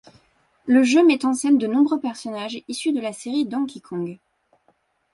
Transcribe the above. Le jeu met en scène de nombreux personnages issus de la série Donkey Kong.